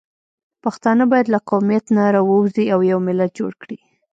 پښتانه باید له قومیت نه راووځي او یو ملت جوړ کړي